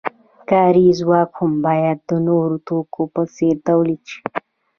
کاري ځواک هم باید د نورو توکو په څیر تولید شي.